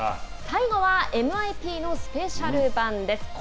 最後はＭＩＰのスペシャル版です。